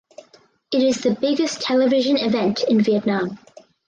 It is the biggest television event in Vietnam.